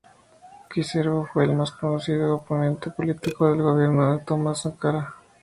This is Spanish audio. Ki-Zerbo fue el más conocido oponente político del gobierno de Thomas Sankara.